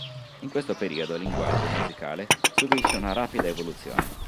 In questo periodo il linguaggio musicale subisce una rapida evoluzione.